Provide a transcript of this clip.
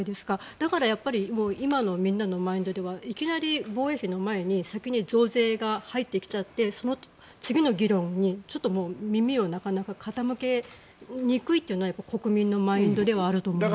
だからやっぱり今のみんなのマインドではいきなり防衛費の前に先に増税が入ってきちゃってその次の議論にちょっと耳をなかなか傾けにくいというのは国民のマインドではあると思います。